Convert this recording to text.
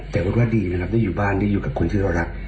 แต่ว่าดีนะครับได้อยู่บ้านได้อยู่กับคนที่เรารัก